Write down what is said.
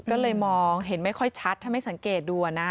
ก็เลยมองเห็นไม่ค่อยชัดถ้าไม่สังเกตดูนะ